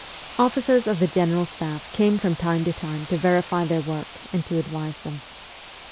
Officers of the General Staff came from time to time to verify their work and to advise them.